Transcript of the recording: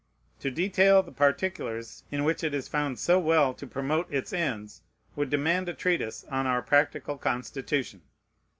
To detail the particulars in which it is found so well to promote its ends would demand a treatise on our practical Constitution.